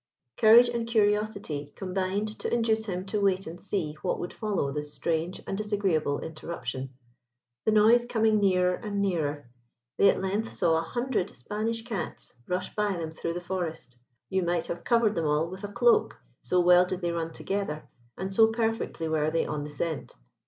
Courage and curiosity combined to induce him to wait and see what would follow this strange and disagreeable interruption. The noise coming nearer and nearer, they at length saw an hundred Spanish cats rush by them through the Forest. You might have covered them all with a cloak, so well did they run together and so perfectly were they on the scent.